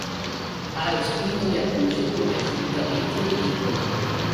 Ha respinto le accuse come "assolutamente ridicolo".